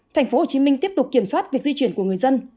tp hcm tiếp tục kiểm soát việc di chuyển của người dân